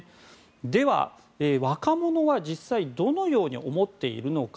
では、若者は実際どのように思っているのか。